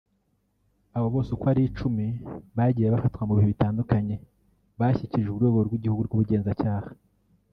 Abo bose uko ari icumi bagiye bafatwa mu bihe bitandukanye bashyikirijwe Urwego rw’Igihugu rw’Ubugenzacyaha